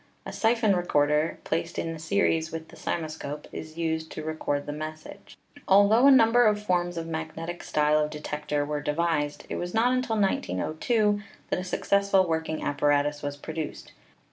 A siphon recorder, placed in series with the cymoscope, is used to record the message. Altho a number of forms of the magnetic style of detector were devised, it was not until 1902 that a successful work ing apparatus was produced.